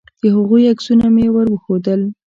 د هغوی عکسونه مې ور وښودل.